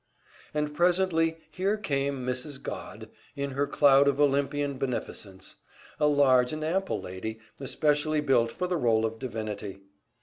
And presently here came Mrs. Godd in her cloud of Olympian beneficence; a large and ample lady, especially built for the role of divinity.